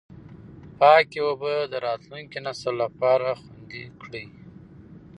پاکې اوبه د راتلونکي نسل لپاره خوندي کړئ.